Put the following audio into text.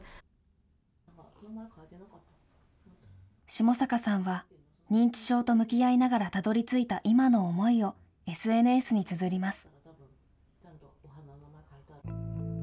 下坂さんは認知症と向き合いながらたどりついた今の思いを、ＳＮＳにつづります。